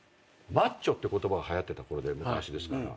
マッチョって言葉がはやってたころで昔ですから。